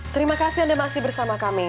terima kasih anda masih bersama kami